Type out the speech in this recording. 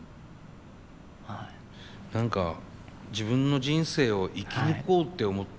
何か自分の人生を生き抜こうって思ったのかな？